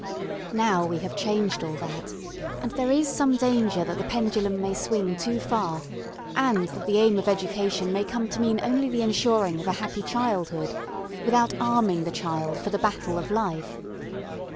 Now we have changed all that, and there is some danger that the pendulum may swing too far, and that the aim of education may come to mean only the ensuring of a happy childhood, without arming the child for the battle of life.